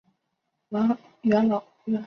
元老院是日本明治时代的立法机构。